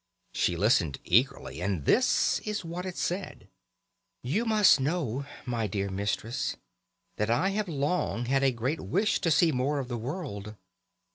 She listened eagerly, and this is what it said: "You must know, my dear mistress, that I have long had a great wish to see more of the world.